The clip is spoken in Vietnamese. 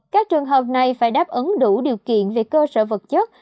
các trường hợp này phải đáp ứng đủ điều kiện về cơ sở vật chất